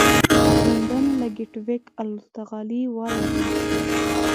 د لندن له ګېټوېک الوتغالي والوتم.